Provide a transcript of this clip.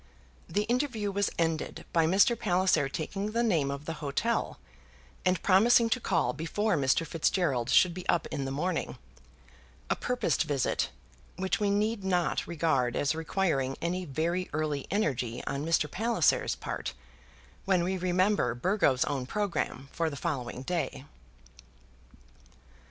The interview was ended by Mr. Palliser taking the name of the hotel, and promising to call before Mr. Fitzgerald should be up in the morning a purposed visit, which we need not regard as requiring any very early energy on Mr. Palliser's part, when we remember Burgo's own programme for the following day.